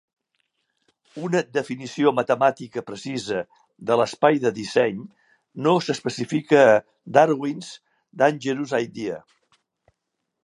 Una definició matemàtica precisa de l"Espai de disseny no s"especifica a "Darwin's Dangerous Idea".